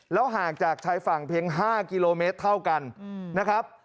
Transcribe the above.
ห่างจากชายฝั่งเพียง๕กิโลเมตรเท่ากันนะครับ